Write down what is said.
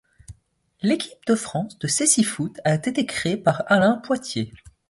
L'équipe de France de cécifoot a été créée par Alain Poitier.